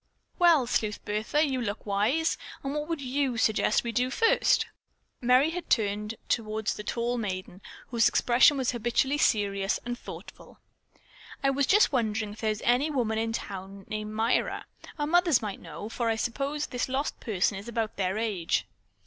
"Well, Sleuth Bertha, you look wise. What would you suggest that we do first?" Merry had turned toward the tall maiden, whose expression was habitually serious and thoughtful. "I was just wondering if there is any woman in town named Myra. Our mothers might know, for I suppose this lost person is about their age."